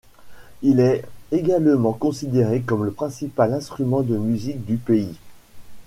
Il est également considéré comme le principal instrument de musique du pays.